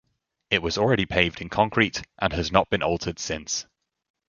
It was already paved in concrete, and has not been altered since.